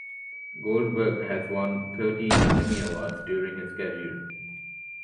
Goldberg has won thirteen Emmy Awards during his career.